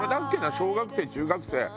小学生中学生。